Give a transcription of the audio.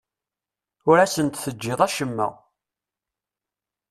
Ur asen-d-teǧǧiḍ acemma.